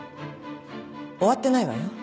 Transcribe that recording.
終わってないわよ。